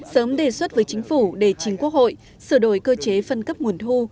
sớm đề xuất với chính phủ để chính quốc hội sửa đổi cơ chế phân cấp nguồn thu